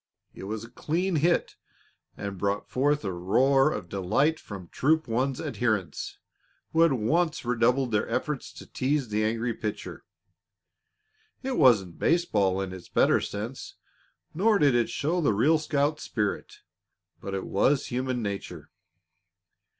It was a clean hit and brought forth a roar of delight from Troop One's adherents, who at once redoubled their efforts to tease the angry pitcher. It wasn't baseball, in its better sense, nor did it show the real scout spirit, but it was human nature.